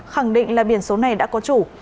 khẳng định là biển số này đã có chủ